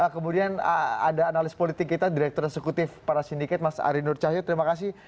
kemudian ada analis politik kita direktur eksekutif para sindiket mas ari nur cahyo terima kasih